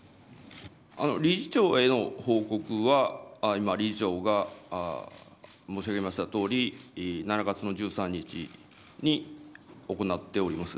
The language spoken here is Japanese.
理事長への報告は今、理事長が申しあげましたとおり７月の１３日に行っております。